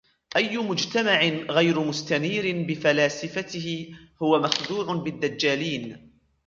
أيُ مجتمع غير مستنيرٍ بفلاسفته هو مخدوعٌ بالدجالين.